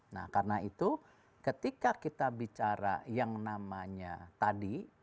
nah karena itu ketika kita bicara yang namanya tadi